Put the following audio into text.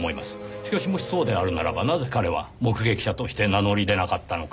しかしもしそうであるならばなぜ彼は目撃者として名乗り出なかったのか。